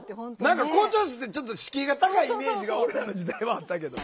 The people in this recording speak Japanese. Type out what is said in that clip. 何か校長室ってちょっと敷居が高いイメージが俺らの時代はあったけど。